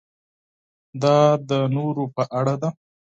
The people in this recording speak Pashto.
دا د نورو په اړه ده.